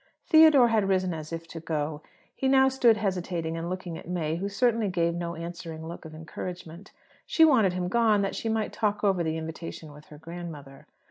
Theodore had risen as if to go. He now stood hesitating, and looking at May, who certainly gave no answering look of encouragement. She wanted him gone, that she might "talk over" the invitation with her grandmother.